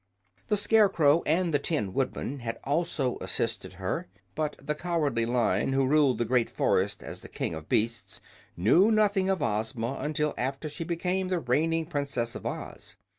The Scarecrow and the Tin Woodman had also assisted her; but the Cowardly Lion, who ruled the great forest as the King of Beasts, knew nothing of Ozma until after she became the reigning princess of Oz.